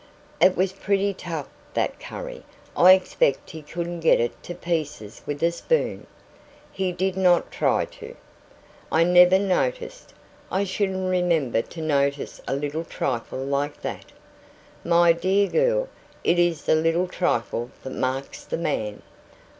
"It was pretty tough, that curry. I expect he couldn't get it to pieces with a spoon." "He did not try to." "I never noticed. I shouldn't remember to notice a little trifle like that." "My dear girl, it is the little trifle that marks the man."